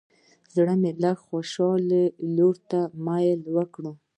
زړه مې لږ د خوښۍ لور ته میلان وکړ.